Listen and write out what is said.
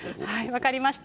分かりました。